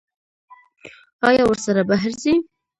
ایا ورسره بهر ځئ؟